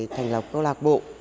thành lập câu lạc bộ